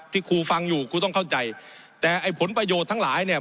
ครูฟังอยู่ครูต้องเข้าใจแต่ไอ้ผลประโยชน์ทั้งหลายเนี่ย